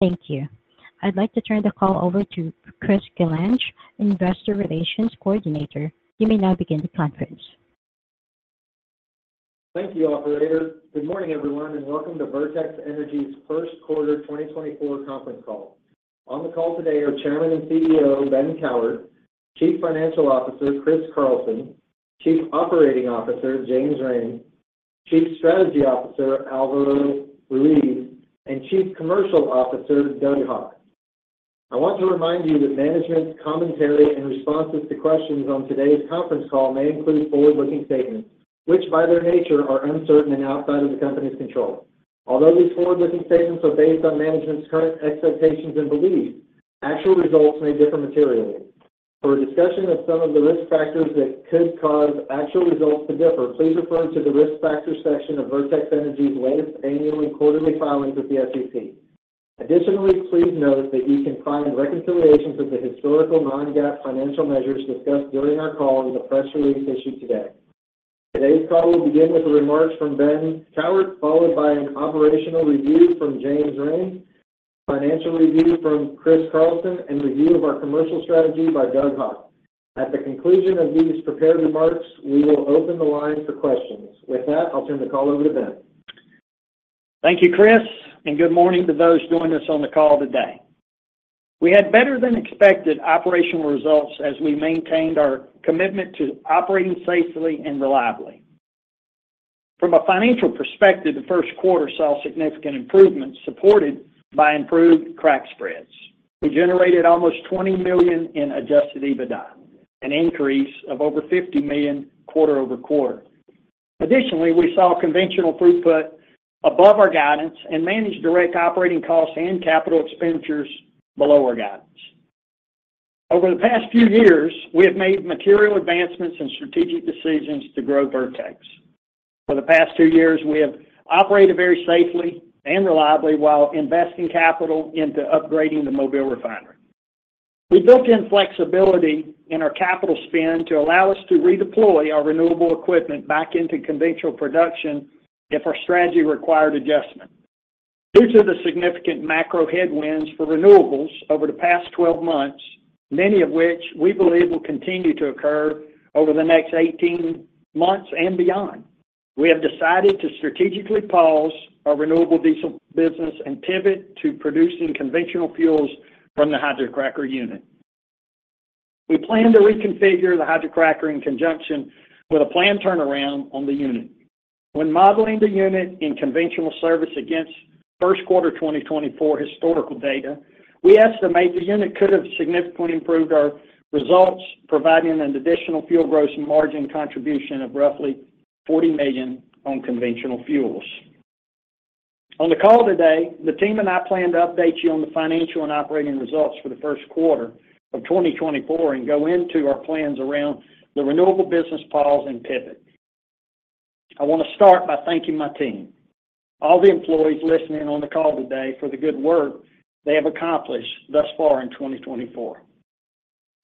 Thank you. I'd like to turn the call over to Chris Delange, Investor Relations Coordinator. You may now begin the conference. Thank you, Operator. Good morning, everyone, and welcome to Vertex Energy's first quarter 2024 conference call. On the call today are Chairman and CEO Ben Cowart, Chief Financial Officer Chris Carlson, Chief Operating Officer James Rhame, Chief Strategy Officer Alvaro Ruiz, and Chief Commercial Officer Doug Haugh. I want to remind you that management's commentary and responses to questions on today's conference call may include forward-looking statements, which by their nature are uncertain and outside of the company's control. Although these forward-looking statements are based on management's current expectations and beliefs, actual results may differ materially. For a discussion of some of the risk factors that could cause actual results to differ, please refer to the Risk Factors section of Vertex Energy's latest annual and quarterly filings with the SEC. Additionally, please note that you can find reconciliations of the historical non-GAAP financial measures discussed during our call in the press release issued today. Today's call will begin with remarks from Ben Cowart, followed by an operational review from James Rhame, financial review from Chris Carlson, and review of our commercial strategy by Doug Haugh. At the conclusion of these prepared remarks, we will open the line for questions. With that, I'll turn the call over to Ben. Thank you, Chris, and good morning to those joining us on the call today. We had better than expected operational results as we maintained our commitment to operating safely and reliably. From a financial perspective, the first quarter saw significant improvements supported by improved crack spreads. We generated almost $20 million in adjusted EBITDA, an increase of over $50 million quarter-over-quarter. Additionally, we saw conventional throughput above our guidance and managed direct operating costs and capital expenditures below our guidance. Over the past few years, we have made material advancements in strategic decisions to grow Vertex. For the past 2 years, we have operated very safely and reliably while investing capital into upgrading the Mobile Refinery. We built in flexibility in our capital spend to allow us to redeploy our renewable equipment back into conventional production if our strategy required adjustment. Due to the significant macro headwinds for renewables over the past 12 months, many of which we believe will continue to occur over the next 18 months and beyond, we have decided to strategically pause our renewable diesel business and pivot to producing conventional fuels from the hydrocracker unit. We plan to reconfigure the hydrocracker in conjunction with a planned turnaround on the unit. When modeling the unit in conventional service against first quarter 2024 historical data, we estimate the unit could have significantly improved our results, providing an additional fuel gross margin contribution of roughly $40 million on conventional fuels. On the call today, the team and I plan to update you on the financial and operating results for the first quarter of 2024 and go into our plans around the renewable business pause and pivot. I want to start by thanking my team, all the employees listening on the call today, for the good work they have accomplished thus far in 2024.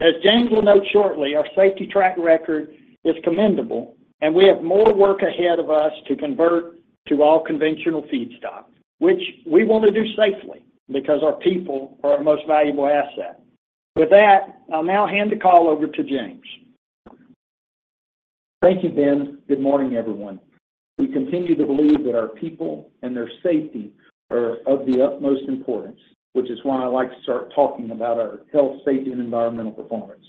As James will note shortly, our safety track record is commendable, and we have more work ahead of us to convert to all conventional feedstock, which we want to do safely because our people are our most valuable asset. With that, I'll now hand the call over to James. Thank you, Ben. Good morning, everyone. We continue to believe that our people and their safety are of the utmost importance, which is why I like to start talking about our health, safety, and environmental performance.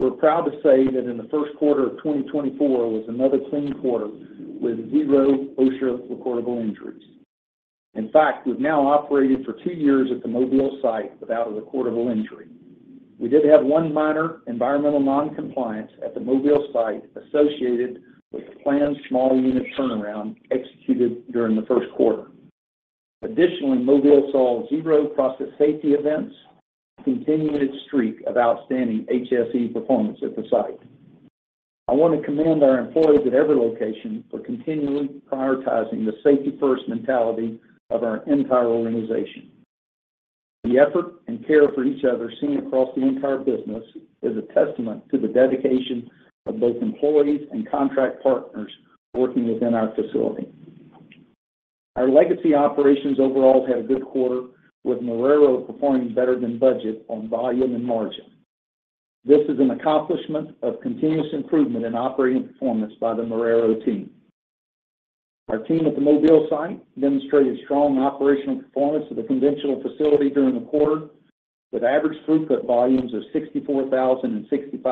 We're proud to say that in the first quarter of 2024 was another clean quarter with zero OSHA recordable injuries. In fact, we've now operated for two years at the Mobile site without a recordable injury. We did have one minor environmental noncompliance at the Mobile site associated with the planned small unit turnaround executed during the first quarter. Additionally, Mobile saw zero process safety events and continued its streak of outstanding HSE performance at the site. I want to commend our employees at every location for continually prioritizing the safety-first mentality of our entire organization. The effort and care for each other seen across the entire business is a testament to the dedication of both employees and contract partners working within our facility. Our legacy operations overall had a good quarter, with Marrero performing better than budget on volume and margin. This is an accomplishment of continuous improvement in operating performance by the Marrero team. Our team at the Mobile site demonstrated strong operational performance of the conventional facility during the quarter with average throughput volumes of 64,065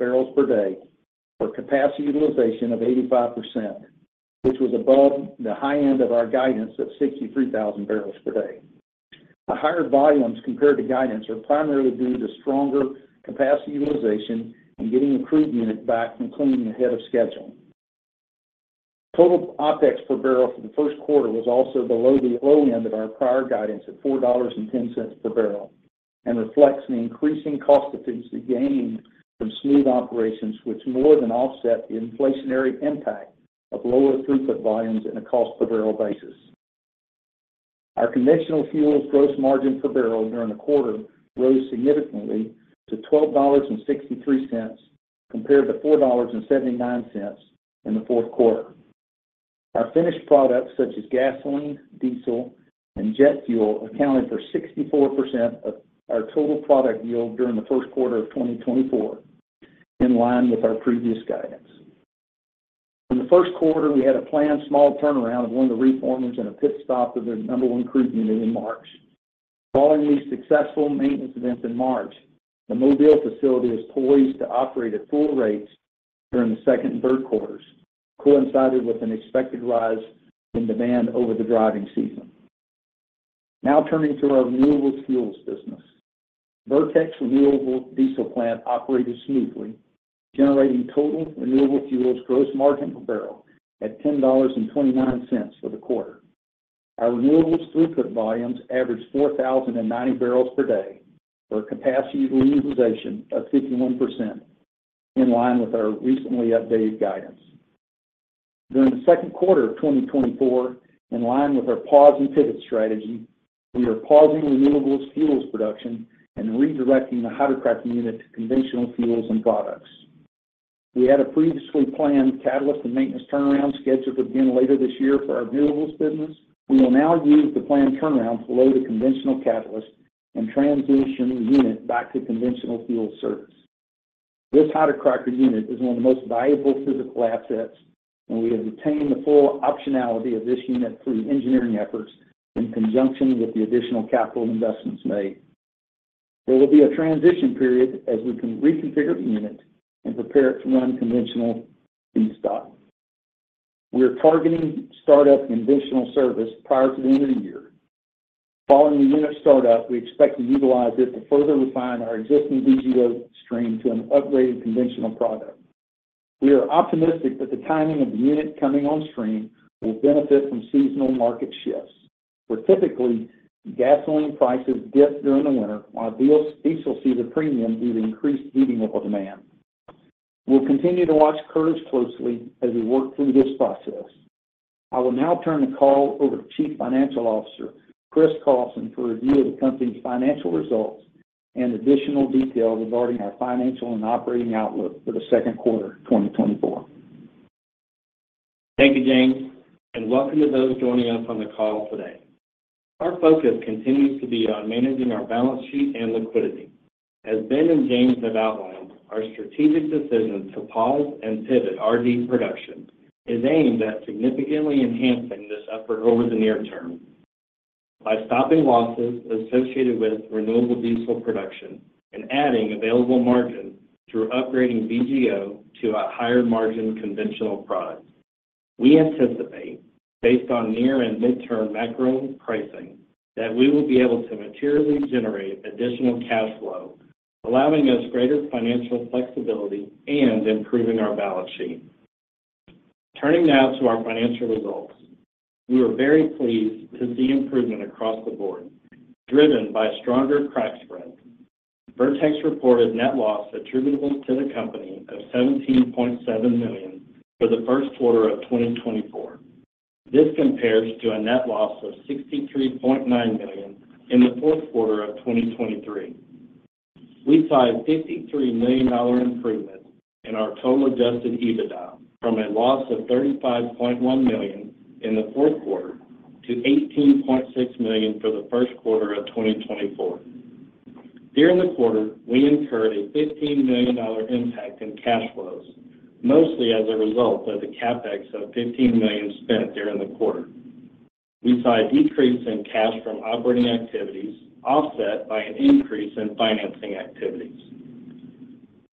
bbl/d for capacity utilization of 85%, which was above the high end of our guidance of 63,000 bbl/d. The higher volumes compared to guidance are primarily due to stronger capacity utilization and getting a crude unit back from cleaning ahead of schedule. Total OpEx per barrel for the first quarter was also below the low end of our prior guidance at $4.10 per barrel and reflects the increasing cost efficiency gained from smooth operations, which more than offset the inflationary impact of lower throughput volumes on a cost-per-barrel basis. Our conventional fuels gross margin per barrel during the quarter rose significantly to $12.63 compared to $4.79 in the fourth quarter. Our finished products, such as gasoline, diesel, and jet fuel, accounted for 64% of our total product yield during the first quarter of 2024, in line with our previous guidance. In the first quarter, we had a planned small turnaround of one of the reformers and a pit stop of the number one hydrocracker unit in March. Following these successful maintenance events in March, the Mobile facility was poised to operate at full rates during the second and third quarters, coinciding with an expected rise in demand over the driving season. Now turning to our renewables fuels business, Vertex Renewable Diesel Plant operated smoothly, generating total renewable fuels gross margin per barrel at $10.29 for the quarter. Our renewables throughput volumes averaged 4,090 bbl/d for a capacity utilization of 51%, in line with our recently updated guidance. During the second quarter of 2024, in line with our pause and pivot strategy, we are pausing renewables fuels production and redirecting the hydrocracker unit to conventional fuels and products. We had a previously planned catalyst and maintenance turnaround scheduled to begin later this year for our renewables business. We will now use the planned turnaround to load a conventional catalyst and transition the unit back to conventional fuel service. This hydrocracker unit is one of the most valuable physical assets, and we have retained the full optionality of this unit through engineering efforts in conjunction with the additional capital investments made. There will be a transition period as we can reconfigure the unit and prepare it to run conventional feedstock. We are targeting startup conventional service prior to the end of the year. Following the unit startup, we expect to utilize it to further refine our existing VGO stream to an upgraded conventional product. We are optimistic that the timing of the unit coming on stream will benefit from seasonal market shifts, where typically gasoline prices dip during the winter while diesel sees a premium due to increased heating oil demand. We'll continue to watch [KERG] closely as we work through this process. I will now turn the call over to Chief Financial Officer Chris Carlson for review of the company's financial results and additional detail regarding our financial and operating outlook for the second quarter 2024. Thank you, James, and welcome to those joining us on the call today. Our focus continues to be on managing our balance sheet and liquidity. As Ben and James have outlined, our strategic decision to pause and pivot RD production is aimed at significantly enhancing this effort over the near term by stopping losses associated with renewable diesel production and adding available margin through upgrading VGO to a higher margin conventional product. We anticipate, based on near and mid-term macro pricing, that we will be able to materially generate additional cash flow, allowing us greater financial flexibility and improving our balance sheet. Turning now to our financial results, we are very pleased to see improvement across the board, driven by a stronger crack spread. Vertex reported net loss attributable to the company of $17.7 million for the first quarter of 2024. This compares to a net loss of $63.9 million in the fourth quarter of 2023. We saw a $53 million improvement in our total adjusted EBITDA from a loss of $35.1 million in the fourth quarter to $18.6 million for the first quarter of 2024. During the quarter, we incurred a $15 million impact in cash flows, mostly as a result of the CapEx of $15 million spent during the quarter. We saw a decrease in cash from operating activities offset by an increase in financing activities.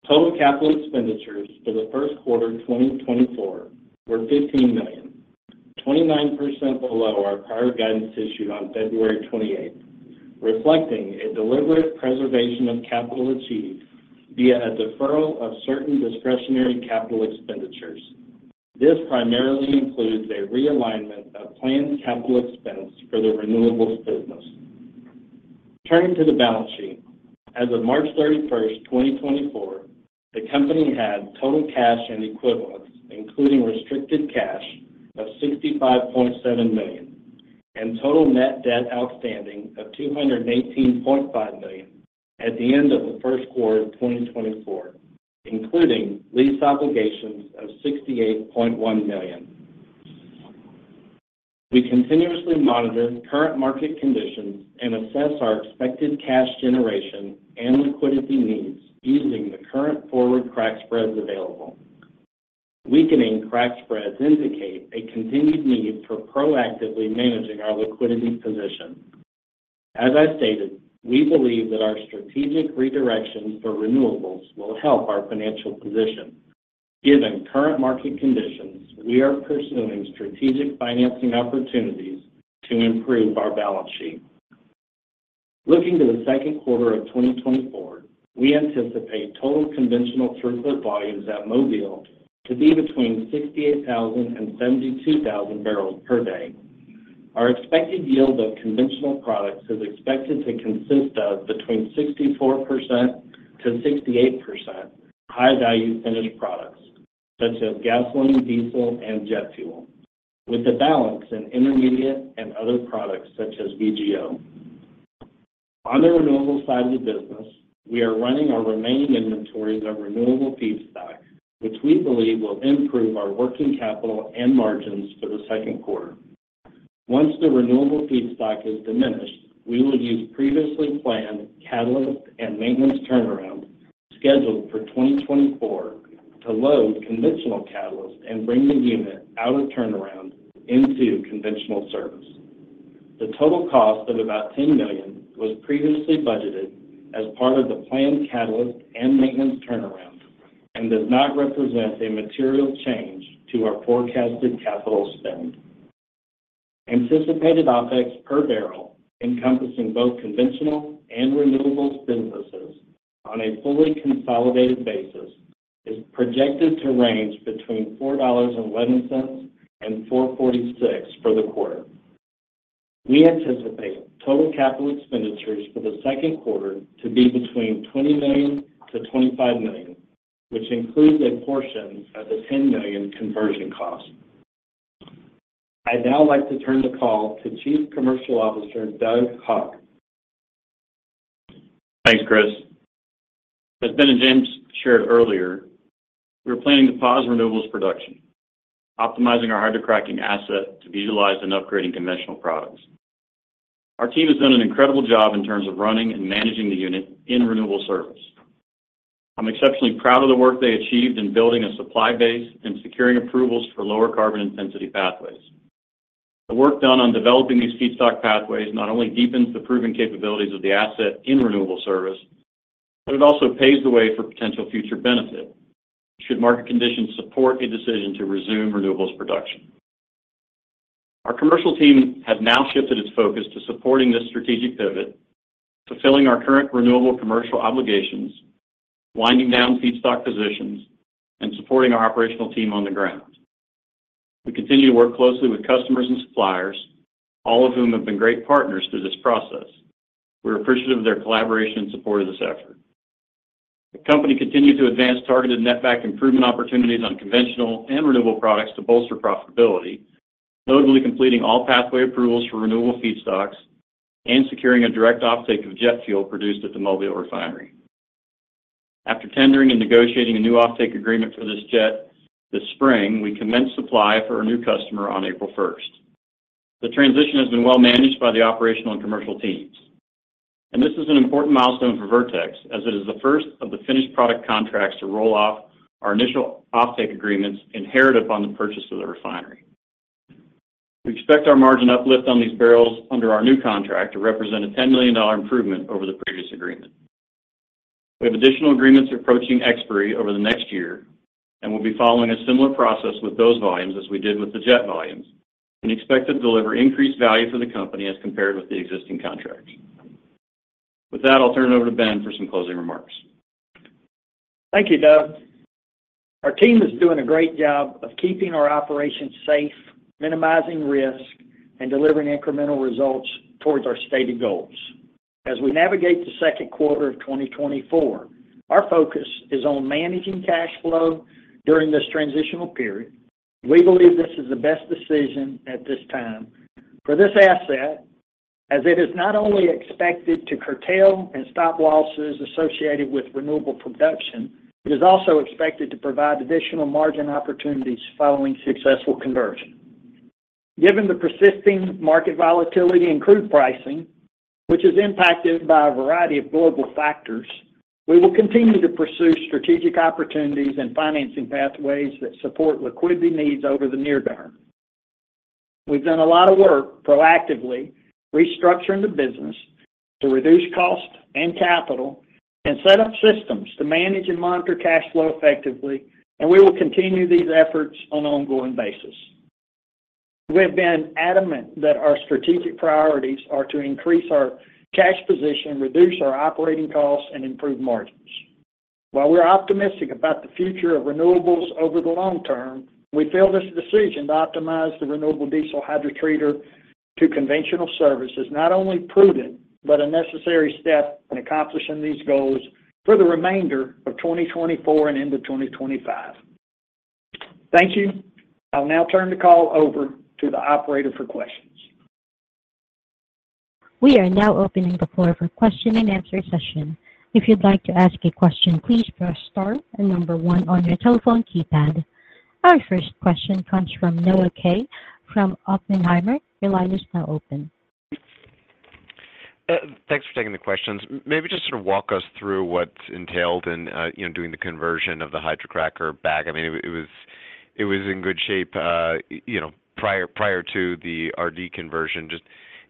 Total capital expenditures for the first quarter 2024 were $15 million, 29% below our prior guidance issued on February 28th, reflecting a deliberate preservation of capital achieved via a deferral of certain discretionary capital expenditures. This primarily includes a realignment of planned capital expense for the renewables business. Turning to the balance sheet, as of March 31st, 2024, the company had total cash and equivalents, including restricted cash, of $65.7 million and total net debt outstanding of $218.5 million at the end of the first quarter of 2024, including lease obligations of $68.1 million. We continuously monitor current market conditions and assess our expected cash generation and liquidity needs using the current forward crack spreads available. Weakening crack spreads indicate a continued need for proactively managing our liquidity position. As I stated, we believe that our strategic redirections for renewables will help our financial position. Given current market conditions, we are pursuing strategic financing opportunities to improve our balance sheet. Looking to the second quarter of 2024, we anticipate total conventional throughput volumes at Mobile to be between 68,000 and 72,000 bbl/d. Our expected yield of conventional products is expected to consist of between 64%-68% high-value finished products such as gasoline, diesel, and jet fuel, with a balance in intermediate and other products such as VGO. On the renewable side of the business, we are running our remaining inventories of renewable feedstock, which we believe will improve our working capital and margins for the second quarter. Once the renewable feedstock is diminished, we will use previously planned catalyst and maintenance turnaround scheduled for 2024 to load conventional catalyst and bring the unit out of turnaround into conventional service. The total cost of about $10 million was previously budgeted as part of the planned catalyst and maintenance turnaround and does not represent a material change to our forecasted capital spend. Anticipated OpEx per barrel, encompassing both conventional and renewables businesses on a fully consolidated basis, is projected to range between $4.11-$4.46 for the quarter. We anticipate total capital expenditures for the second quarter to be between $20 million-$25 million, which includes a portion of the $10 million conversion cost. I'd now like to turn the call to Chief Commercial Officer Doug Haugh. Thanks, Chris. As Ben and James shared earlier, we are planning to pause renewables production, optimizing our hydrocracking asset to utilize and upgrade in conventional products. Our team has done an incredible job in terms of running and managing the unit in renewable service. I'm exceptionally proud of the work they achieved in building a supply base and securing approvals for lower carbon intensity pathways. The work done on developing these feedstock pathways not only deepens the proven capabilities of the asset in renewable service, but it also paves the way for potential future benefit should market conditions support a decision to resume renewables production. Our commercial team has now shifted its focus to supporting this strategic pivot, fulfilling our current renewable commercial obligations, winding down feedstock positions, and supporting our operational team on the ground. We continue to work closely with customers and suppliers, all of whom have been great partners through this process. We are appreciative of their collaboration and support of this effort. The company continues to advance targeted netback improvement opportunities on conventional and renewable products to bolster profitability, notably completing all pathway approvals for renewable feedstocks and securing a direct offtake of jet fuel produced at the Mobile Refinery. After tendering and negotiating a new offtake agreement for this jet this spring, we commenced supply for our new customer on April 1st. The transition has been well managed by the operational and commercial teams, and this is an important milestone for Vertex as it is the first of the finished product contracts to roll off our initial offtake agreements inherited upon the purchase of the refinery. We expect our margin uplift on these barrels under our new contract to represent a $10 million improvement over the previous agreement. We have additional agreements approaching expiry over the next year, and we'll be following a similar process with those volumes as we did with the jet volumes and expect to deliver increased value for the company as compared with the existing contracts. With that, I'll turn it over to Ben for some closing remarks. Thank you, Doug. Our team is doing a great job of keeping our operations safe, minimizing risk, and delivering incremental results toward our stated goals. As we navigate the second quarter of 2024, our focus is on managing cash flow during this transitional period. We believe this is the best decision at this time. For this asset, as it is not only expected to curtail and stop losses associated with renewable production, it is also expected to provide additional margin opportunities following successful conversion. Given the persisting market volatility and crude pricing, which is impacted by a variety of global factors, we will continue to pursue strategic opportunities and financing pathways that support liquidity needs over the near term. We've done a lot of work proactively restructuring the business to reduce cost and capital and set up systems to manage and monitor cash flow effectively, and we will continue these efforts on an ongoing basis. We have been adamant that our strategic priorities are to increase our cash position, reduce our operating costs, and improve margins. While we're optimistic about the future of renewables over the long term, we feel this decision to optimize the renewable diesel hydrotreater to conventional service is not only prudent but a necessary step in accomplishing these goals for the remainder of 2024 and into 2025. Thank you. I'll now turn the call over to the operator for questions. We are now opening the floor for question-and-answer session. If you'd like to ask a question, please press star and number one on your telephone keypad. Our first question comes from Noah Kaye from Oppenheimer. Your line is now open. Thanks for taking the questions. Maybe just sort of walk us through what's entailed in doing the conversion of the hydrocracker back. I mean, it was in good shape prior to the RD conversion.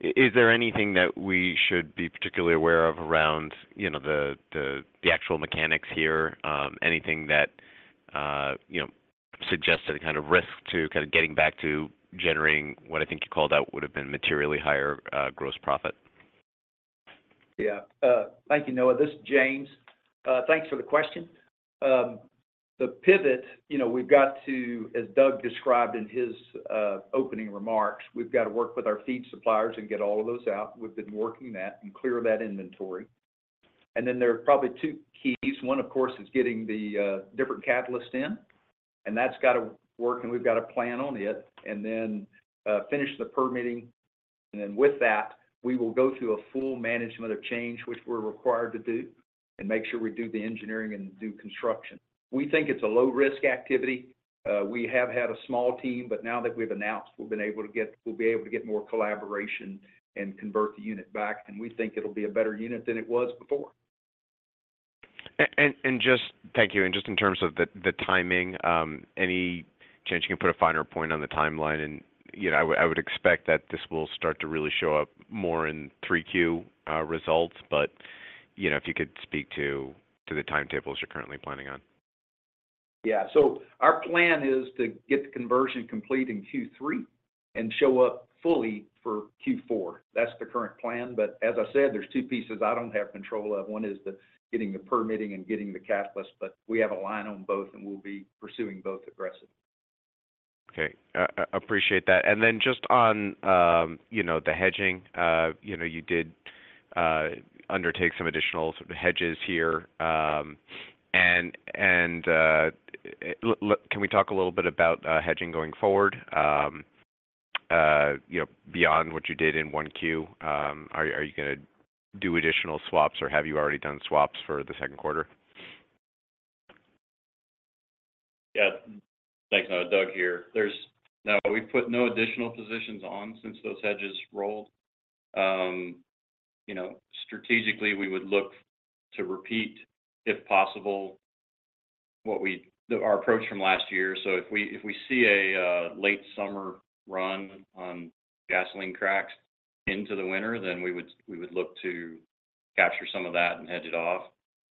Is there anything that we should be particularly aware of around the actual mechanics here? Anything that suggested a kind of risk to kind of getting back to generating what I think you called out would have been materially higher gross profit? Yeah. Thank you, Noah. This is James. Thanks for the question. The pivot, we've got to, as Doug described in his opening remarks, we've got to work with our feed suppliers and get all of those out. We've been working that and clear that inventory. And then there are probably two keys. One, of course, is getting the different catalyst in, and that's got to work, and we've got to plan on it and then finish the permitting. And then with that, we will go through a full Management of Change, which we're required to do, and make sure we do the engineering and do construction. We think it's a low-risk activity. We have had a small team, but now that we've announced, we'll be able to get more collaboration and convert the unit back, and we think it'll be a better unit than it was before. Just thank you. Just in terms of the timing, any change you can put a finer point on the timeline? I would expect that this will start to really show up more in 3Q results, but if you could speak to the timetables you're currently planning on. Yeah. So our plan is to get the conversion complete in Q3 and show up fully for Q4. That's the current plan. But as I said, there's two pieces I don't have control of. One is getting the permitting and getting the catalyst, but we have a line on both, and we'll be pursuing both aggressively. Okay. Appreciate that. And then just on the hedging, you did undertake some additional sort of hedges here. And can we talk a little bit about hedging going forward beyond what you did in 1Q? Are you going to do additional swaps, or have you already done swaps for the second quarter? Yeah. Thanks, Doug, here. No, we've put no additional positions on since those hedges rolled. Strategically, we would look to repeat, if possible, our approach from last year. So if we see a late summer run on gasoline cracks into the winter, then we would look to capture some of that and hedge it off.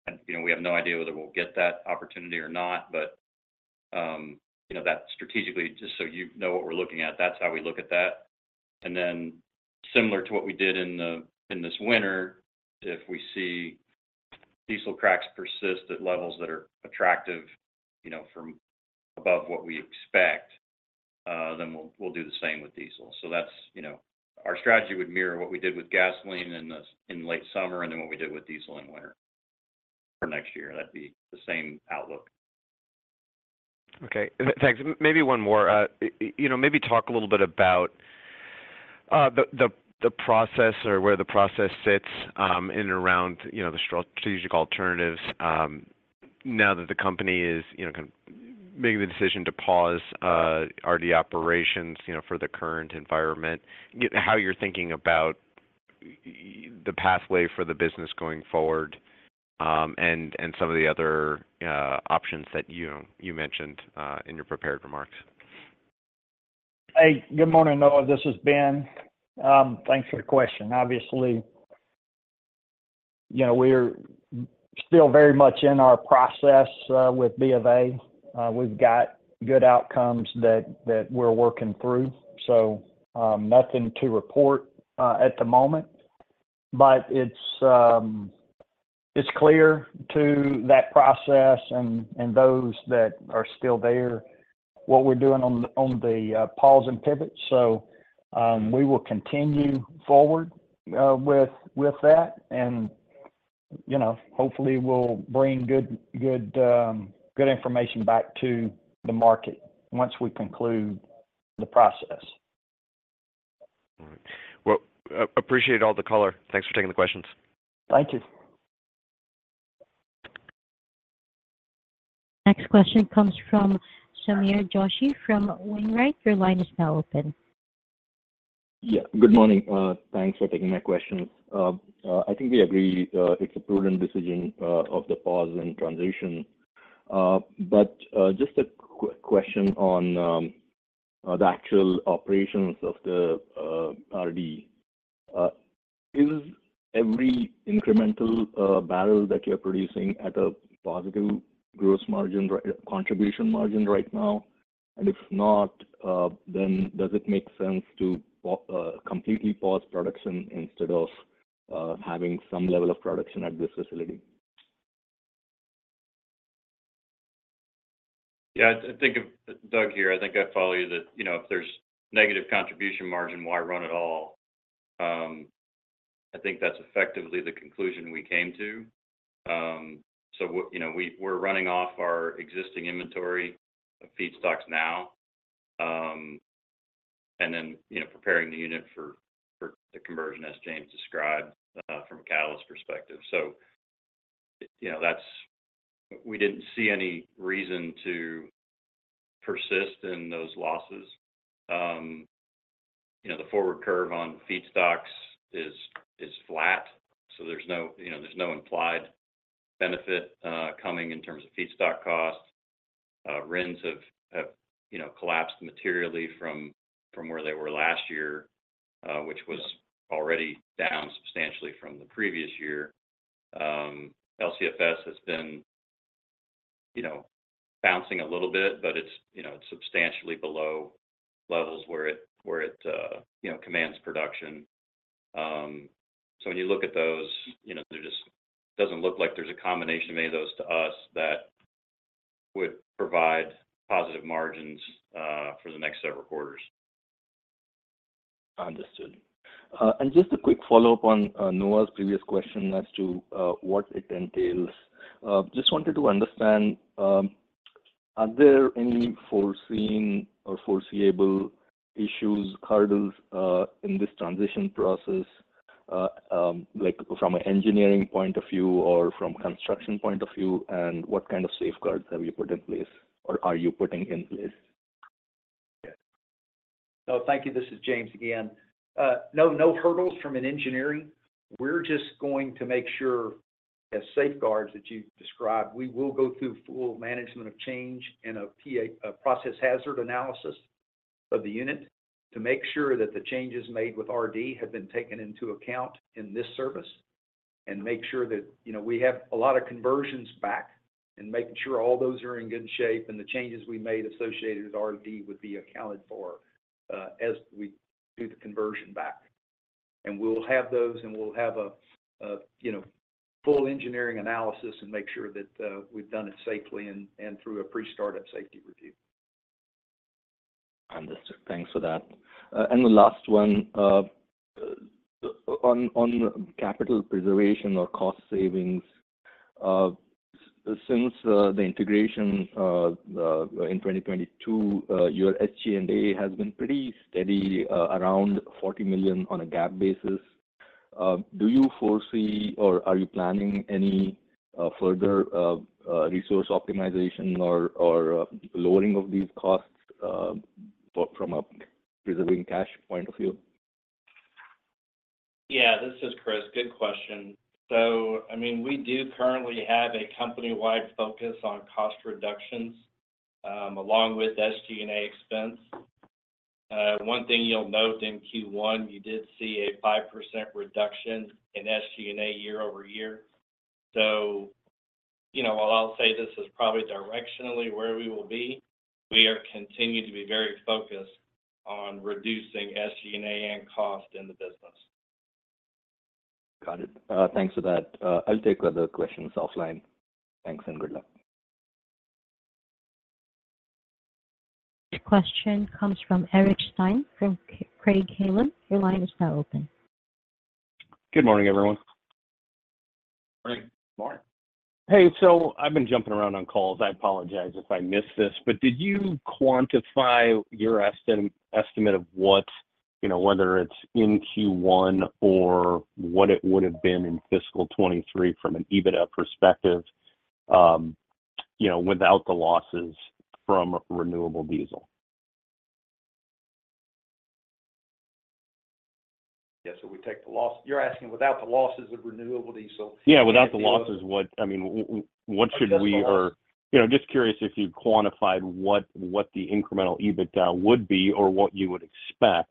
And we have no idea whether we'll get that opportunity or not, but that's strategically, just so you know what we're looking at, that's how we look at that. And then similar to what we did in this winter, if we see diesel cracks persist at levels that are attractive from above what we expect, then we'll do the same with diesel. So our strategy would mirror what we did with gasoline in late summer and then what we did with diesel in winter for next year. That'd be the same outlook. Okay. Thanks. Maybe one more. Maybe talk a little bit about the process or where the process sits in and around the strategic alternatives now that the company is kind of making the decision to pause RD operations for the current environment, how you're thinking about the pathway for the business going forward, and some of the other options that you mentioned in your prepared remarks? Hey, good morning, Noah. This is Ben. Thanks for the question. Obviously, we're still very much in our process with BofA. We've got good outcomes that we're working through, so nothing to report at the moment. But it's clear to that process and those that are still there what we're doing on the pause and pivot. So we will continue forward with that, and hopefully, we'll bring good information back to the market once we conclude the process. All right. Well, appreciate all the color. Thanks for taking the questions. Thank you. Next question comes from Sameer Joshi from Wainwright. Your line is now open. Yeah. Good morning. Thanks for taking my questions. I think we agree it's a prudent decision of the pause and transition. But just a quick question on the actual operations of the RD. Is every incremental barrel that you're producing at a positive gross margin contribution margin right now? And if not, then does it make sense to completely pause production instead of having some level of production at this facility? Yeah. Doug here. I think I follow you that if there's negative contribution margin, why run at all? I think that's effectively the conclusion we came to. So we're running off our existing inventory of feedstocks now and then preparing the unit for the conversion, as James described, from a catalyst perspective. So we didn't see any reason to persist in those losses. The forward curve on feedstocks is flat, so there's no implied benefit coming in terms of feedstock cost. RINs have collapsed materially from where they were last year, which was already down substantially from the previous year. LCFS has been bouncing a little bit, but it's substantially below levels where it commands production. So when you look at those, it doesn't look like there's a combination of any of those to us that would provide positive margins for the next several quarters. Understood. Just a quick follow-up on Noah's previous question as to what it entails. Just wanted to understand, are there any foreseen or foreseeable issues, hurdles in this transition process from an engineering point of view or from a construction point of view? What kind of safeguards have you put in place or are you putting in place? So thank you. This is James again. No hurdles from an engineering. We're just going to make sure, as safeguards that you've described, we will go through full Management of Change and a Process Hazard Analysis of the unit to make sure that the changes made with RD have been taken into account in this service and make sure that we have a lot of conversions back and making sure all those are in good shape and the changes we made associated with RD would be accounted for as we do the conversion back. And we'll have those, and we'll have a full engineering analysis and make sure that we've done it safely and through a pre-startup safety review. Understood. Thanks for that. The last one on capital preservation or cost savings. Since the integration in 2022, your SG&A has been pretty steady around $40 million on a GAAP basis. Do you foresee or are you planning any further resource optimization or lowering of these costs from a preserving cash point of view? Yeah. This is Chris. Good question. So I mean, we do currently have a company-wide focus on cost reductions along with SG&A expense. One thing you'll note in Q1, you did see a 5% reduction in SG&A year-over-year. So while I'll say this is probably directionally where we will be, we are continuing to be very focused on reducing SG&A and cost in the business. Got it. Thanks for that. I'll take other questions offline. Thanks and good luck. Next question comes from Eric Stine from Craig-Hallum. Your line is now open. Good morning, everyone. Hey. Hey. So I've been jumping around on calls. I apologize if I missed this. But did you quantify your estimate of whether it's in Q1 or what it would have been in fiscal 2023 from an EBITDA perspective without the losses from renewable diesel? Yeah. So we take the loss you're asking without the losses of renewable diesel? Yeah. Without the losses, I mean, what should we or just curious if you quantified what the incremental EBITDA would be or what you would expect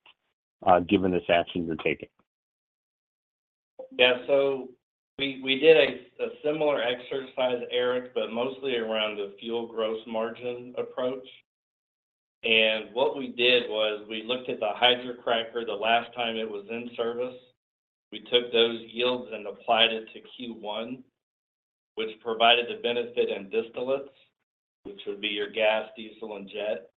given this action you're taking? Yeah. So we did a similar exercise, Eric, but mostly around the fuel gross margin approach. What we did was we looked at the hydrocracker the last time it was in service. We took those yields and applied it to Q1, which provided the benefit in distillates, which would be your gas, diesel, and jet.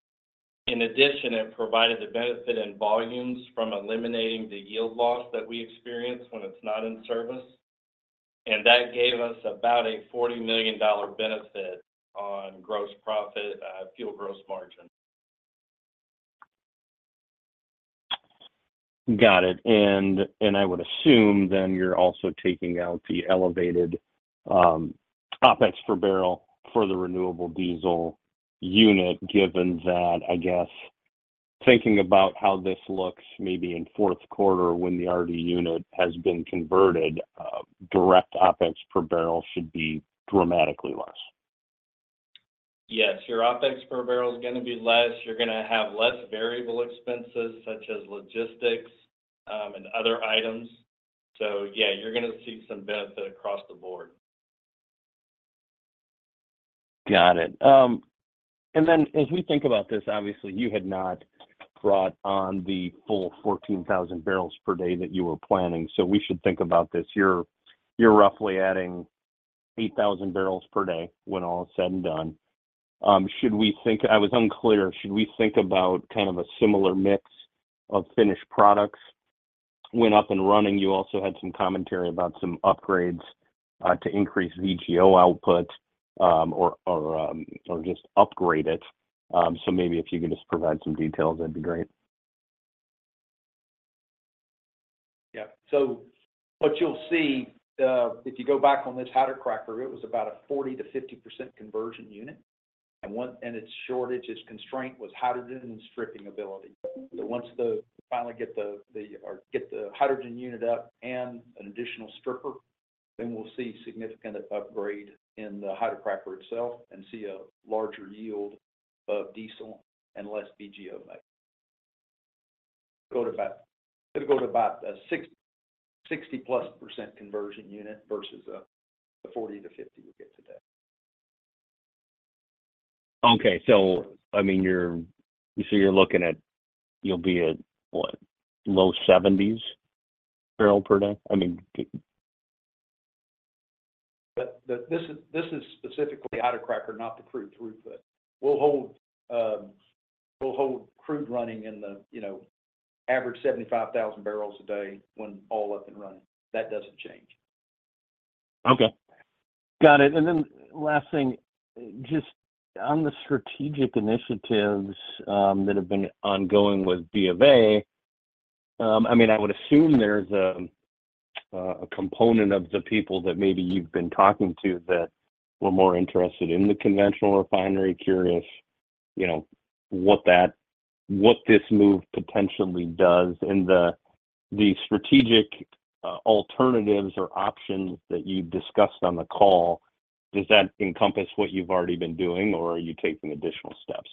In addition, it provided the benefit in volumes from eliminating the yield loss that we experience when it's not in service. That gave us about a $40 million benefit on fuel gross margin. Got it. I would assume then you're also taking out the elevated OpEx per barrel for the renewable diesel unit given that, I guess, thinking about how this looks maybe in fourth quarter when the RD unit has been converted, direct OpEx per barrel should be dramatically less. Yes. Your OpEx per barrel is going to be less. You're going to have less variable expenses such as logistics and other items. So yeah, you're going to see some benefit across the board. Got it. And then as we think about this, obviously, you had not brought on the full 14,000 bbl/d that you were planning. So we should think about this. You're roughly adding 8,000 bbl/d when all is said and done. I was unclear. Should we think about kind of a similar mix of finished products when up and running? You also had some commentary about some upgrades to increase VGO output or just upgrade it. So maybe if you could just provide some details, that'd be great. Yeah. So what you'll see if you go back on this hydrocracker, it was about a 40%-50% conversion unit. And its shortage, its constraint was hydrogen and stripping ability. So once they finally get the hydrogen unit up and an additional stripper, then we'll see significant upgrade in the hydrocracker itself and see a larger yield of diesel and less VGO made. It'll go to about a 60+% conversion unit versus the 40%-50% we get today. Okay. So I mean, you say you're looking at you'll be at, what, low 70s barrel per day? I mean. This is specifically hydrocracker, not the crude throughput. We'll hold crude running in the average 75,000 bbl a day when all up and running. That doesn't change. Okay. Got it. And then last thing, just on the strategic initiatives that have been ongoing with BofA, I mean, I would assume there's a component of the people that maybe you've been talking to that were more interested in the conventional refinery, curious what this move potentially does. And the strategic alternatives or options that you discussed on the call, does that encompass what you've already been doing, or are you taking additional steps?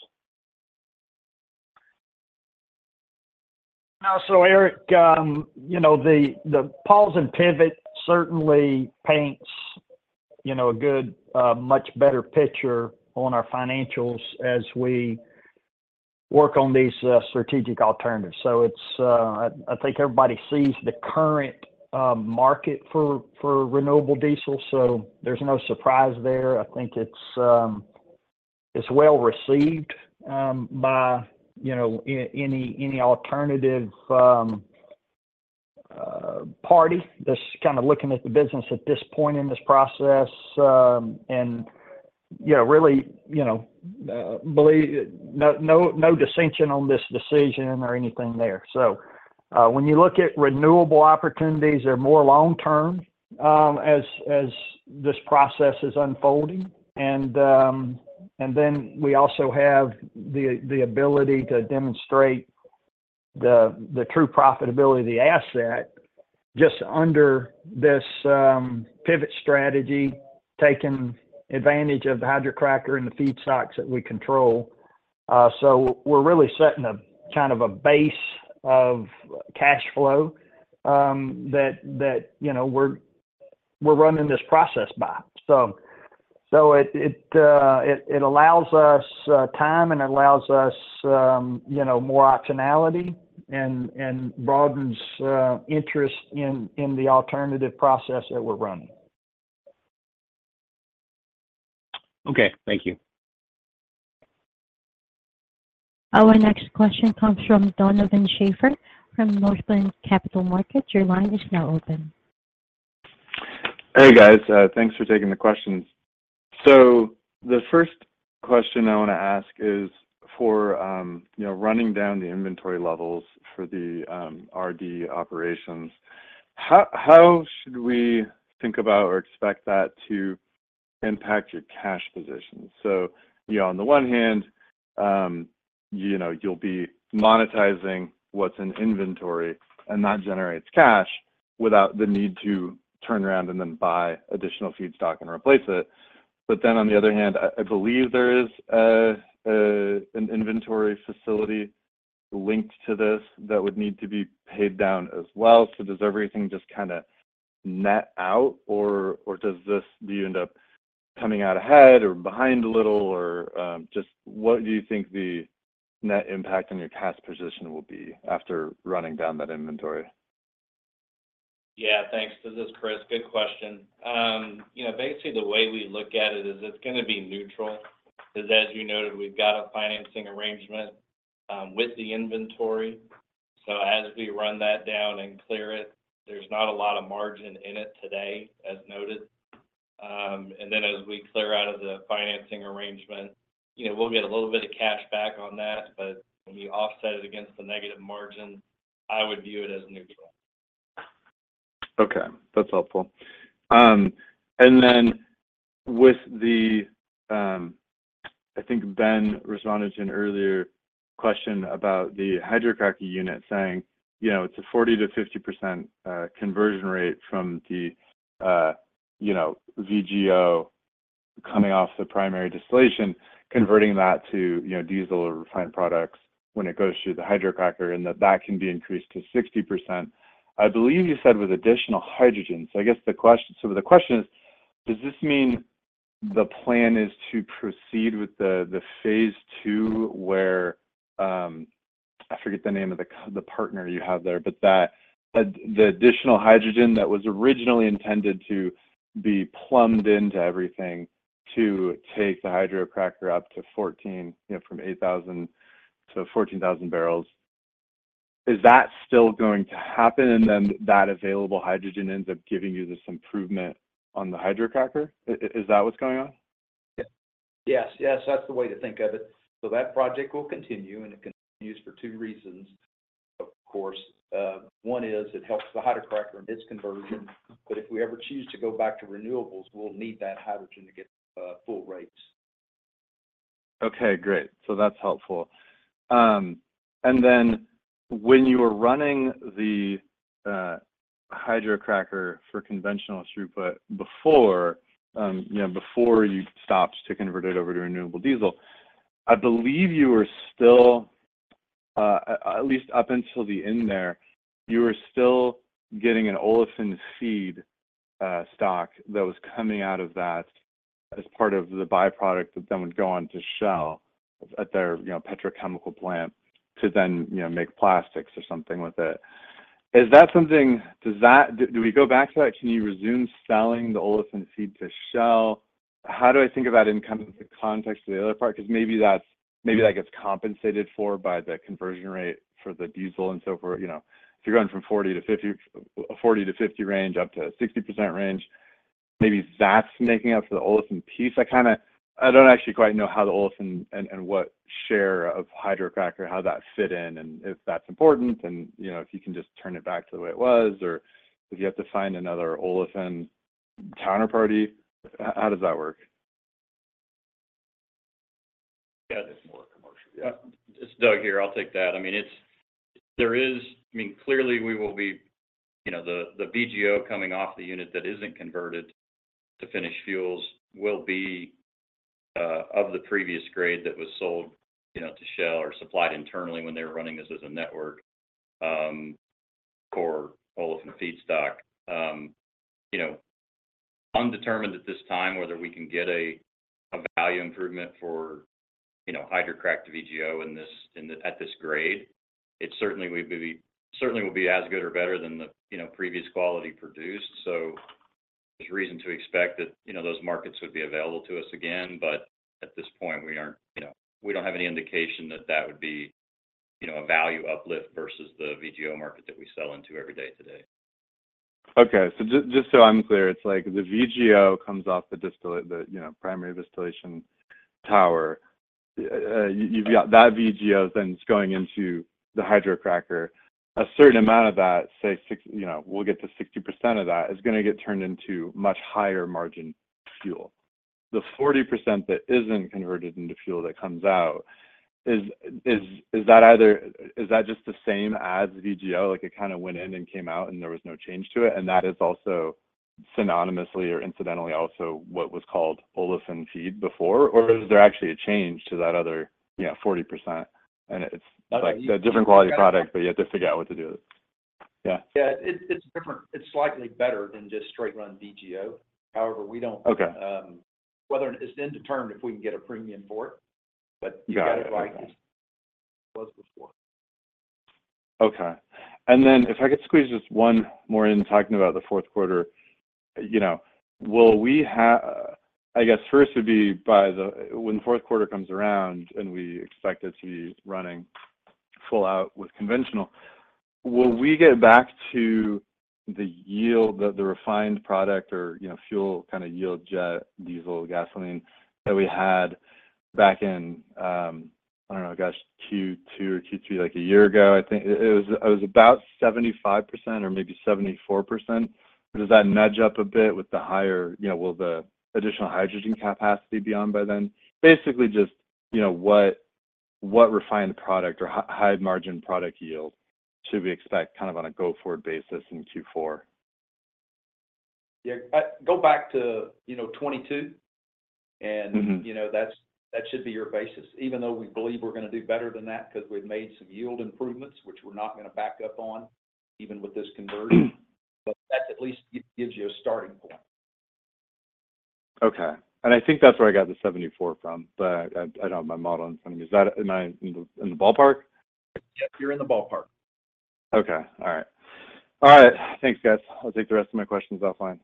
Now, so Eric, the pause and pivot certainly paints a much better picture on our financials as we work on these strategic alternatives. So I think everybody sees the current market for renewable diesel, so there's no surprise there. I think it's well received by any alternative party that's kind of looking at the business at this point in this process and really no dissension on this decision or anything there. So when you look at renewable opportunities, they're more long-term as this process is unfolding. And then we also have the ability to demonstrate the true profitability of the asset just under this pivot strategy taking advantage of the hydrocracker and the feedstocks that we control. So we're really setting kind of a base of cash flow that we're running this process by. It allows us time and it allows us more optionality and broadens interest in the alternative process that we're running. Okay. Thank you. Our next question comes from Donovan Schafer from Northland Capital Markets. Your line is now open. Hey, guys. Thanks for taking the questions. So the first question I want to ask is for running down the inventory levels for the RD operations, how should we think about or expect that to impact your cash positions? So on the one hand, you'll be monetizing what's in inventory and that generates cash without the need to turn around and then buy additional feedstock and replace it. But then on the other hand, I believe there is an inventory facility linked to this that would need to be paid down as well. So does everything just kind of net out, or do you end up coming out ahead or behind a little? Or just what do you think the net impact on your cash position will be after running down that inventory? Yeah. Thanks. This is Chris. Good question. Basically, the way we look at it is it's going to be neutral. As you noted, we've got a financing arrangement with the inventory. So as we run that down and clear it, there's not a lot of margin in it today, as noted. And then as we clear out of the financing arrangement, we'll get a little bit of cash back on that. But when you offset it against the negative margin, I would view it as neutral. Okay. That's helpful. And then with the I think Ben responded to an earlier question about the hydrocracker unit saying it's a 40%-50% conversion rate from the VGO coming off the primary distillation, converting that to diesel or refined products when it goes through the hydrocracker, and that that can be increased to 60%. I believe you said with additional hydrogen. So I guess the question is, does this mean the plan is to proceed with the phase two where I forget the name of the partner you have there, but the additional hydrogen that was originally intended to be plumbed into everything to take the hydrocracker up to 14,000 from 8,000 bbl-14,000 bbl, is that still going to happen? And then that available hydrogen ends up giving you this improvement on the hydrocracker? Is that what's going on? Yes. Yes. That's the way to think of it. So that project will continue, and it continues for two reasons, of course. One is it helps the hydrocracker in its conversion. But if we ever choose to go back to renewables, we'll need that hydrogen to get full rates. Okay. Great. So that's helpful. And then when you were running the hydrocracker for conventional throughput before you stopped to convert it over to renewable diesel, I believe you were still at least up until the end there, you were still getting an olefin feedstock that was coming out of that as part of the byproduct that then would go on to Shell at their petrochemical plant to then make plastics or something with it. Do we go back to that? Can you resume selling the olefin feed to Shell? How do I think about it in kind of the context of the other part? Because maybe that gets compensated for by the conversion rate for the diesel and so forth. If you're going from 40%-50,% a 40%-50% range up to a 60% range, maybe that's making up for the olefin piece. I don't actually quite know how the olefin and what share of hydrocracker, how that fit in and if that's important and if you can just turn it back to the way it was or if you have to find another olefin counterparty. How does that work? Yeah. It's more commercial. Yeah. It's Doug here. I'll take that. I mean, there is I mean, clearly, we will be the VGO coming off the unit that isn't converted to finished fuels will be of the previous grade that was sold to Shell or supplied internally when they were running this as a network core olefin feedstock. Undetermined at this time whether we can get a value improvement for hydrocrack to VGO at this grade, it certainly will be as good or better than the previous quality produced. So there's reason to expect that those markets would be available to us again. But at this point, we don't have any indication that that would be a value uplift versus the VGO market that we sell into every day today. Okay. So just so I'm clear, it's like the VGO comes off the primary distillation tower. That VGO then is going into the hydrocracker. A certain amount of that, say we'll get to 60% of that, is going to get turned into much higher margin fuel. The 40% that isn't converted into fuel that comes out, is that either is that just the same as VGO? It kind of went in and came out, and there was no change to it. And that is also synonymously or incidentally also what was called olefin feed before, or is there actually a change to that other 40%? It's a different quality product, but you have to figure out what to do with it. Yeah. Yeah. It's slightly better than just straight-run VGO. However, it's undetermined if we can get a premium for it. But you got it right. It was before. Okay. And then if I could squeeze just one more in talking about the fourth quarter, will we have—I guess first would be—by the when the fourth quarter comes around and we expect it to be running full out with conventional, will we get back to the yield that the refined product or fuel kind of yield jet, diesel, gasoline that we had back in, I don't know, gosh, Q2 or Q3 a year ago? I think it was about 75% or maybe 74%. Does that nudge up a bit with the higher—will the additional hydrogen capacity be on by then? Basically, just what refined product or high-margin product yield should we expect kind of on a go-forward basis in Q4? Yeah. Go back to 2022, and that should be your basis, even though we believe we're going to do better than that because we've made some yield improvements, which we're not going to back up on even with this conversion. But that at least gives you a starting point. Okay. I think that's where I got the 74% from, but I don't have my model in front of me. Am I in the ballpark? Yep. You're in the ballpark. Okay. All right. All right. Thanks, guys. I'll take the rest of my questions offline.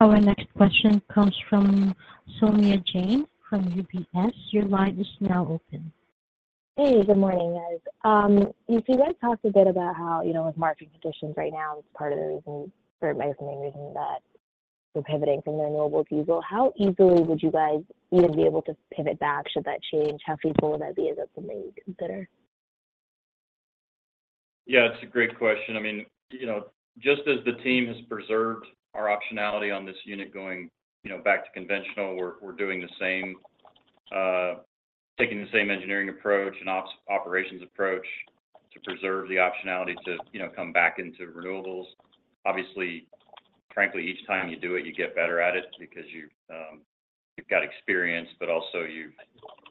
Our next question comes from Saumya Jain from UBS. Your line is now open. Hey. Good morning, guys. You guys talked a bit about how with market conditions right now, it's part of the reason or maybe the main reason that we're pivoting from the renewable diesel. How easily would you guys even be able to pivot back should that change? How feasible would that be? Is that something you consider? Yeah. It's a great question. I mean, just as the team has preserved our optionality on this unit going back to conventional, we're doing the same, taking the same engineering approach, an operations approach to preserve the optionality to come back into renewables. Obviously, frankly, each time you do it, you get better at it because you've got experience, but also you've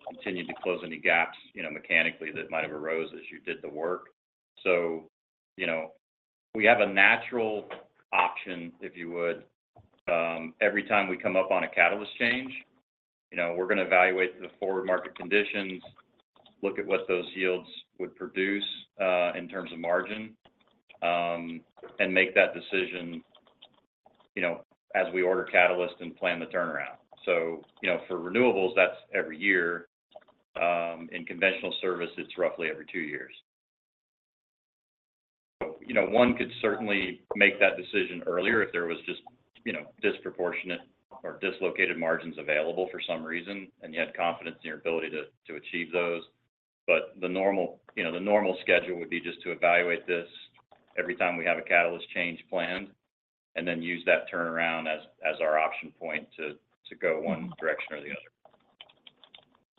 continued to close any gaps mechanically that might have arose as you did the work. So we have a natural option, if you would. Every time we come up on a catalyst change, we're going to evaluate the forward market conditions, look at what those yields would produce in terms of margin, and make that decision as we order catalyst and plan the turnaround. So for renewables, that's every year. In conventional service, it's roughly every two years. One could certainly make that decision earlier if there was just disproportionate or dislocated margins available for some reason and you had confidence in your ability to achieve those. The normal schedule would be just to evaluate this every time we have a catalyst change planned and then use that turnaround as our option point to go one direction or the other.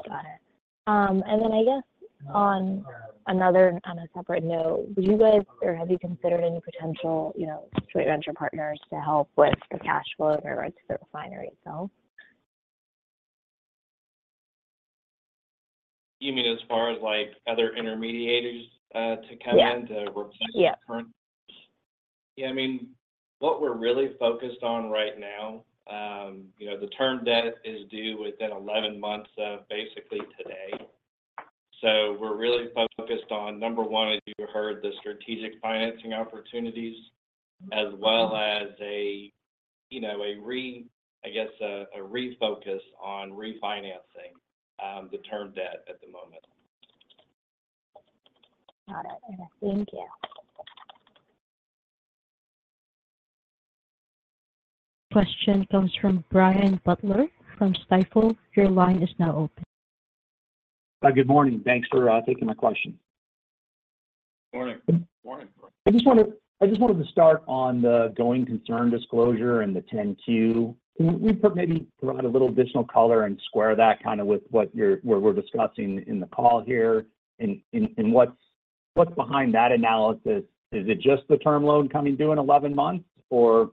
Got it. And then I guess on a separate note, would you guys or have you considered any potential joint venture partners to help with the cash flow in regards to the refinery itself? You mean as far as other intermediators to come in to replace the current? Yes. Yeah. I mean, what we're really focused on right now, the term debt is due within 11 months of basically today. So we're really focused on number one, as you heard, the strategic financing opportunities as well as a, I guess, a refocus on refinancing the term debt at the moment. Got it. Thank you. Question comes from Brian Butler from Stifel. Your line is now open. Hi. Good morning. Thanks for taking my question. I just wanted to start on the going concern disclosure and the 10-Q. Can we maybe provide a little additional color and square that kind of with what we're discussing in the call here? And what's behind that analysis? Is it just the term loan coming due in 11 months, or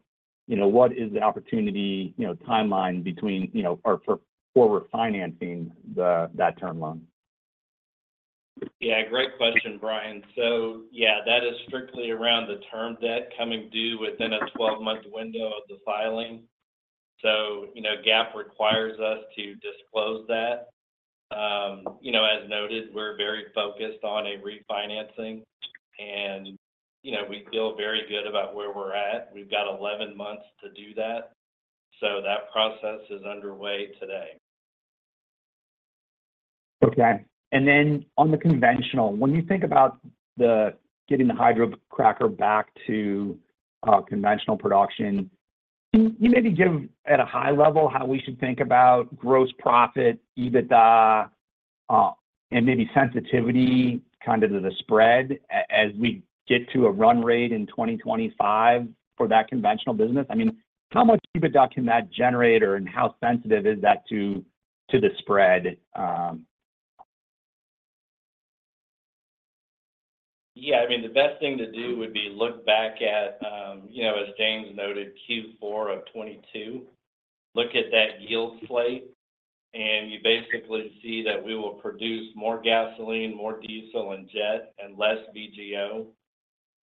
what is the opportunity timeline for refinancing that term loan? Yeah. Great question, Brian. So yeah, that is strictly around the term debt coming due within a 12-month window of the filing. So GAAP requires us to disclose that. As noted, we're very focused on a refinancing, and we feel very good about where we're at. We've got 11 months to do that. So that process is underway today. Okay. And then on the conventional, when you think about getting the hydrocracker back to conventional production, can you maybe give at a high level how we should think about gross profit, EBITDA, and maybe sensitivity kind of to the spread as we get to a run rate in 2025 for that conventional business? I mean, how much EBITDA can that generate, or how sensitive is that to the spread? Yeah. I mean, the best thing to do would be look back at, as James noted, Q4 of 2022, look at that yield slate, and you basically see that we will produce more gasoline, more diesel, and jet, and less VGO.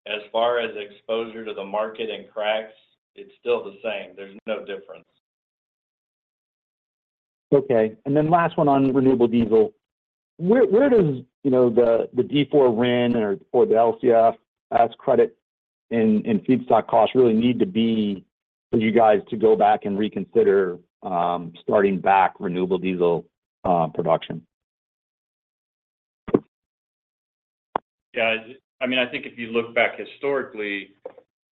As far as exposure to the market and cracks, it's still the same. There's no difference. Okay. Last one on renewable diesel. Where does the D4 RIN or the LCFS credit in feedstock costs really need to be for you guys to go back and reconsider starting back renewable diesel production? Yeah. I mean, I think if you look back historically,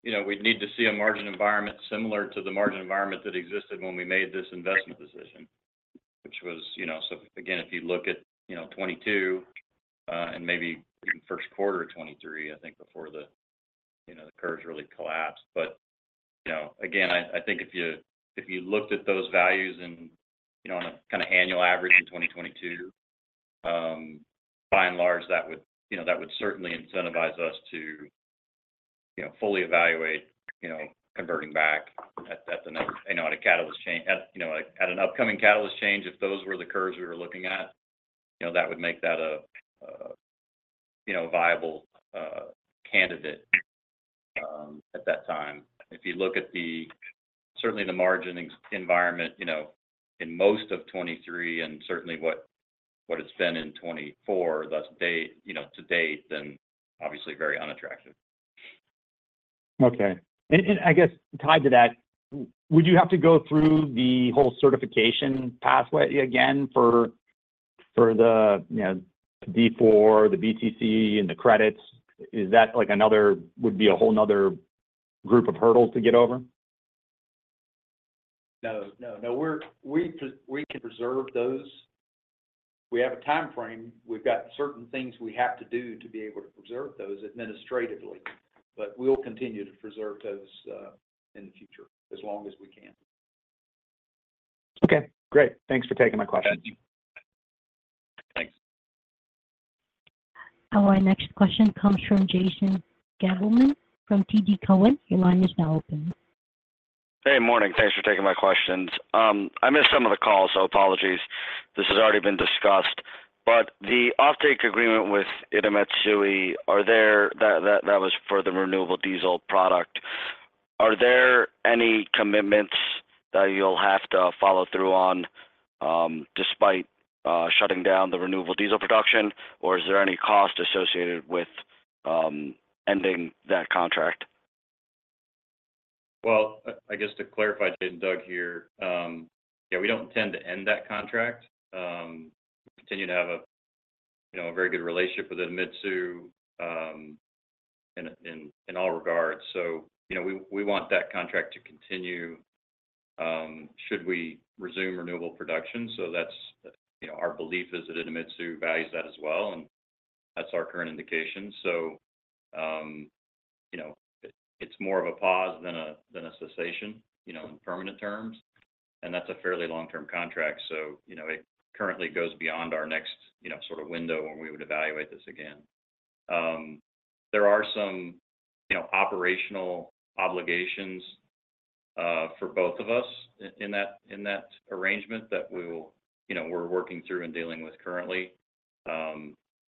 we'd need to see a margin environment similar to the margin environment that existed when we made this investment decision, which was so again, if you look at 2022 and maybe even first quarter of 2023, I think before the curve really collapsed. But again, I think if you looked at those values on a kind of annual average in 2022, by and large, that would certainly incentivize us to fully evaluate converting back at the next at a catalyst change at an upcoming catalyst change. If those were the curves we were looking at, that would make that a viable candidate at that time. If you look at certainly the margin environment in most of 2023 and certainly what it's been in 2024 to date, then obviously very unattractive. Okay. I guess tied to that, would you have to go through the whole certification pathway again for the D4, the BTC, and the credits? Is that another? Would be a whole nother group of hurdles to get over? No. No. No. We can preserve those. We have a timeframe. We've got certain things we have to do to be able to preserve those administratively. But we'll continue to preserve those in the future as long as we can. Okay. Great. Thanks for taking my question. Thank you. Thanks. Our next question comes from Jason Gabelman from TD Cowen. Your line is now open. Hey. Morning. Thanks for taking my questions. I missed some of the calls, so apologies. This has already been discussed. But the offtake agreement with Idemitsu, that was for the renewable diesel product, are there any commitments that you'll have to follow through on despite shutting down the renewable diesel production, or is there any cost associated with ending that contract? Well, I guess to clarify, Jason and Doug here, yeah, we don't intend to end that contract. We continue to have a very good relationship with Idemitsu in all regards. So we want that contract to continue should we resume renewable production. So our belief is that Idemitsu values that as well, and that's our current indication. So it's more of a pause than a cessation in permanent terms. And that's a fairly long-term contract. So it currently goes beyond our next sort of window when we would evaluate this again. There are some operational obligations for both of us in that arrangement that we're working through and dealing with currently.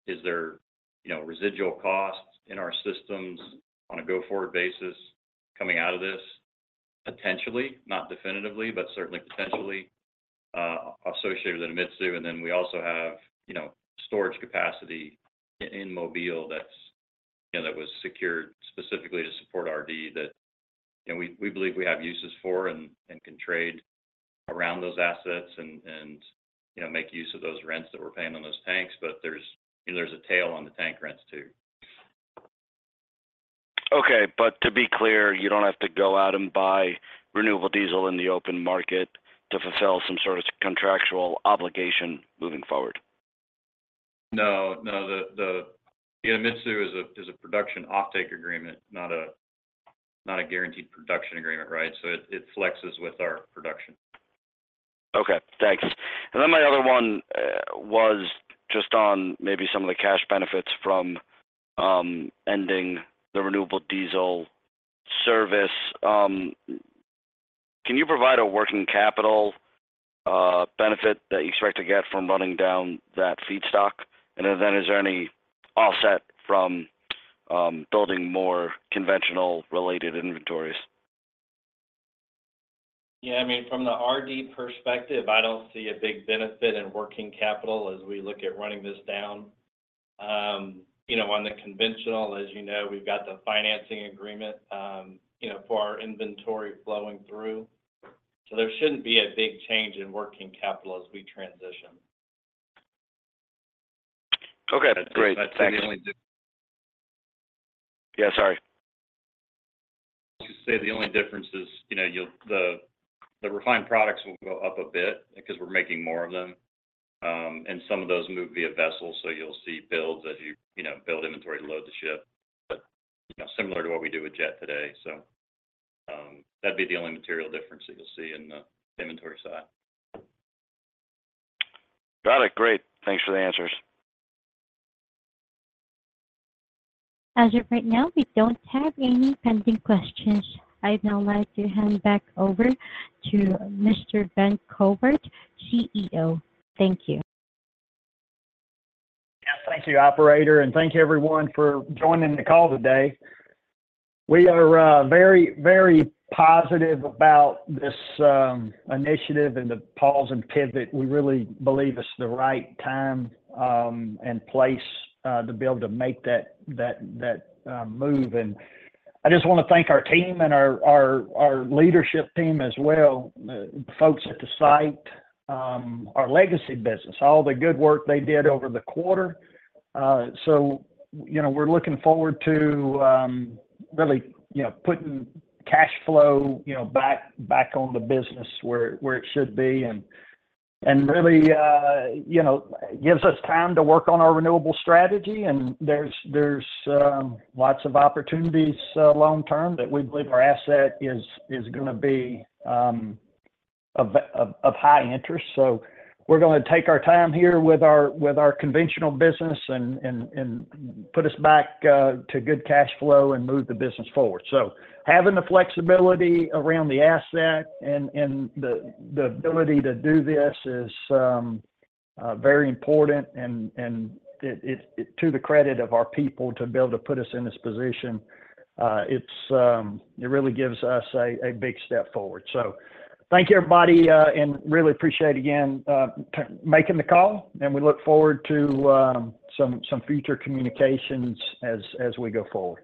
Is there residual cost in our systems on a go-forward basis coming out of this? Potentially, not definitively, but certainly potentially associated with Idemitsu. And then we also have storage capacity in Mobile that was secured specifically to support RD that we believe we have uses for and can trade around those assets and make use of those rents that we're paying on those tanks. But there's a tail on the tank rents too. Okay. But to be clear, you don't have to go out and buy renewable diesel in the open market to fulfill some sort of contractual obligation moving forward? No. No. Idemitsu is a production offtake agreement, not a guaranteed production agreement, right? So it flexes with our production. Okay. Thanks. And then my other one was just on maybe some of the cash benefits from ending the renewable diesel service. Can you provide a working capital benefit that you expect to get from running down that feedstock? And then is there any offset from building more conventional-related inventories? Yeah. I mean, from the RD perspective, I don't see a big benefit in working capital as we look at running this down. On the conventional, as you know, we've got the financing agreement for our inventory flowing through. So there shouldn't be a big change in working capital as we transition. Okay. Great. Thanks. Yeah. Sorry. I was going to say the only difference is the refined products will go up a bit because we're making more of them. And some of those move via vessels, so you'll see builds as you build inventory to load the ship, similar to what we do with jet today. So that'd be the only material difference that you'll see in the inventory side. Got it. Great. Thanks for the answers. As of right now, we don't have any pending questions. I'd now like to hand back over to Mr. Ben Cowart, CEO. Thank you. Yeah. Thank you, operator. Thank you, everyone, for joining the call today. We are very, very positive about this initiative and the pause and pivot. We really believe it's the right time and place to be able to make that move. I just want to thank our team and our leadership team as well, the folks at the site, our legacy business, all the good work they did over the quarter. We're looking forward to really putting cash flow back on the business where it should be and really gives us time to work on our renewable strategy. There's lots of opportunities long-term that we believe our asset is going to be of high interest. We're going to take our time here with our conventional business and put us back to good cash flow and move the business forward. So having the flexibility around the asset and the ability to do this is very important. And to the credit of our people to be able to put us in this position, it really gives us a big step forward. So thank you, everybody, and really appreciate again making the call. And we look forward to some future communications as we go forward.